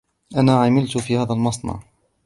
أنا عملت في هذا المصنع.